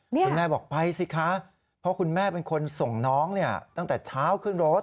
คุณแม่บอกไปสิคะเพราะคุณแม่เป็นคนส่งน้องตั้งแต่เช้าขึ้นรถ